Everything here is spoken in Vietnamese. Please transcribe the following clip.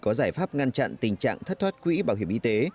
có giải pháp ngăn chặn tình trạng thất thoát quỹ bảo hiểm y tế